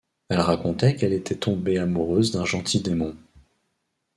Elle racontait qu'elle était tombée amoureuse d'un gentil démon.